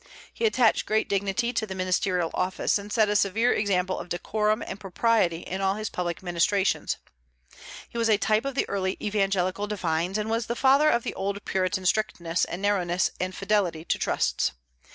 He attached great dignity to the ministerial office, and set a severe example of decorum and propriety in all his public ministrations. He was a type of the early evangelical divines, and was the father of the old Puritan strictness and narrowness and fidelity to trusts.